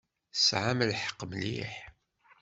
Tesɛam lḥeqq mliḥ.